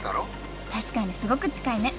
確かにすごく近いね！